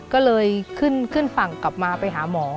ก็เลยขึ้นฝั่งกลับมาไปหาหมอ